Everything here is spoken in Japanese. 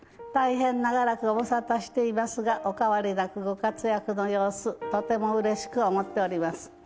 大変長らくご無沙汰していますがお変わりなくご活躍の様子とてもうれしく思っております。